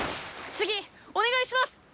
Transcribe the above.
次お願いします！